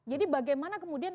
jadi bagaimana kemudian